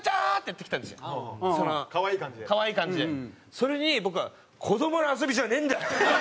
それに僕は「子どもの遊びじゃねえんだよ」。